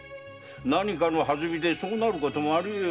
何かのはずみでそうなることもあり得よう。